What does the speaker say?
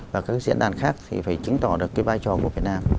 và các diễn đàn khác thì phải chứng tỏ được cái vai trò của việt nam